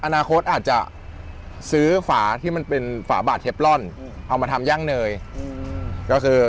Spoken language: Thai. อนาคตอาจจะซื้อฝาที่มันเป็นฝาบาดเทปล่อนเอามาทำย่างเนยก็คือ